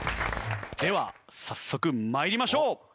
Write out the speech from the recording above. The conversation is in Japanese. では早速参りましょう。